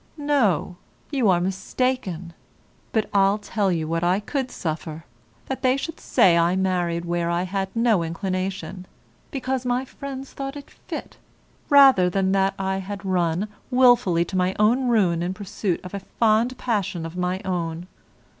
No, you are mistaken; but I'll tell you what I could suffer, that they should say I married where I had no inclination, because my friends thought it fit, rather than that I had run wilfully to my own ruin in pursuit of a fond passion of my own.